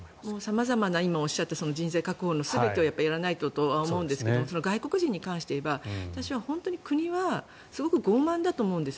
様々な今おっしゃったところ人材確保の全てをやらないとと思うんですが外国人に関して言えば私は本当に国はすごく傲慢だと思います。